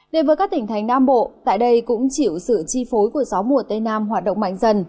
đến với các tỉnh thành nam bộ tại đây cũng chịu sự chi phối của gió mùa tây nam hoạt động mạnh dần